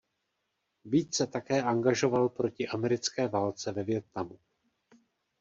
Beat se také angažoval proti americké válce ve Vietnamu.